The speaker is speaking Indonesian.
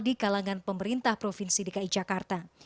di kalangan pemerintah provinsi dki jakarta